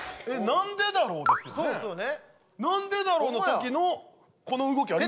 「なんでだろう」の時のこの動きありますもんね。